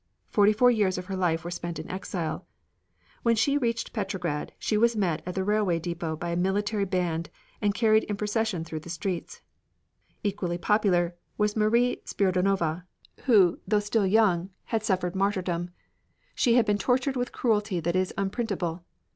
Forty four years of her life were spent in exile. When she reached Petrograd she was met at the railroad depot by a military band, and carried in procession through the streets. Equally popular was Marie Spiridonova, who, though still young, had suffered martyrdom. She had been tortured with cruelty that is unprintable.